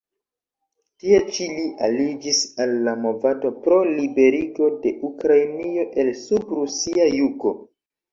Tie ĉi li aliĝis al la movado pro liberigo de Ukrainio el-sub rusia jugo.